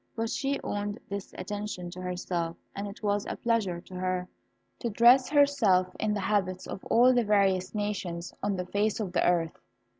But she owed this attention to herself, and it was a pleasure to her to dress herself in the habits of all the various nations on the face of the earth.